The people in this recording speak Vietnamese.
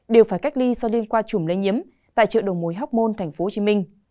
đều phải cách ly do liên quan chủm lây nhiếm tại chợ đầu mối hóc môn tp hcm